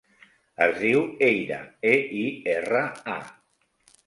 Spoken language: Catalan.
Es diu Eira: e, i, erra, a.